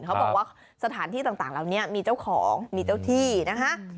เขาบอกว่าสถานที่ต่างเหล่านี้มีเจ้าของมีเจ้าที่นะคะ